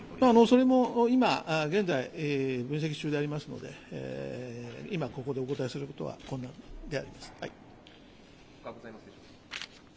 それも今現在、分析中でありますので今ここでお答えすることは困難であります。